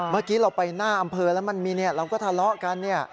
เมื่อกี้เราไปหน้าอำเภอแล้วมันมีเนี่ยเราก็ทะเลาะกันเนี่ย